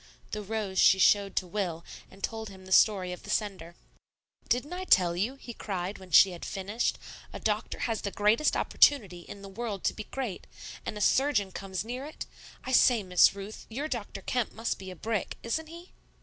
The rose she showed to Will, and told him the story of the sender. "Didn't I tell you," he cried, when she had finished, "a doctor has the greatest opportunity in the world to be great and a surgeon comes near it? I say, Miss Ruth, your Dr. Kemp must be a brick. Isn't he?"